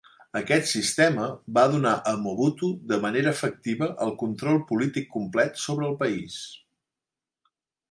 Aquest sistema va donar a Mobutu de manera efectiva el control polític complet sobre el país.